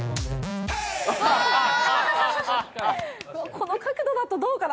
この角度だとどうかな？